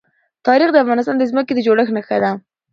تاریخ د افغانستان د ځمکې د جوړښت نښه ده.